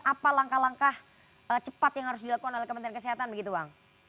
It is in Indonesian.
apa langkah langkah cepat yang harus dilakukan oleh kementerian kesehatan begitu bang